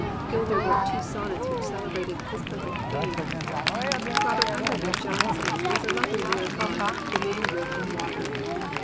Gilder wrote two sonnets which celebrate his "perfect fame." Robert Underwood Johnson has a lovely lyric on "The Name Writ in Water."